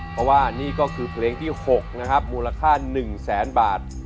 เพราะว่านี่ก็คือเพลงที่๖นะครับมูลค่า๑แสนบาท